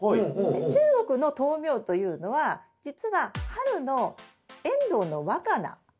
中国の豆苗というのはじつは春のエンドウの若菜。